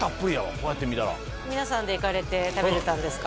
こうやって見たら皆さんで行かれて食べてたんですか？